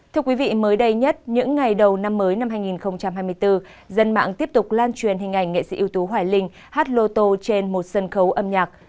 thưa quý vị mới đây nhất những ngày đầu năm mới năm hai nghìn hai mươi bốn dân mạng tiếp tục lan truyền hình ảnh nghệ sĩ ưu tú hoài linh hát lô tô trên một sân khấu âm nhạc